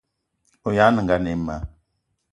O ayag' nengan ayi ma